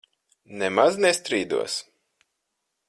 Nemaz nestrīdos.